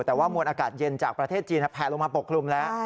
แต่ว่ามวลอากาศเย็นจากประเทศจีนแผลลงมาปกคลุมแล้ว